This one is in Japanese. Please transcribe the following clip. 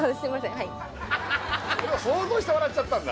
はい想像して笑っちゃったんだ？